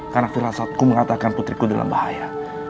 karena firasatku mengatakan putriku dalam bahaya